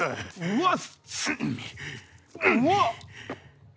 うわっ！